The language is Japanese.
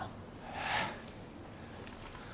えっ。